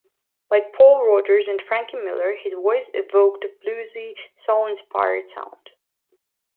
Like Paul Rodgers and Frankie Miller, his voice evoked a bluesy, soul-inspired sound.